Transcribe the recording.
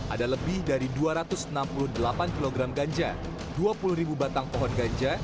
ada lebih dari dua ratus enam puluh delapan kg ganja dua puluh ribu batang pohon ganja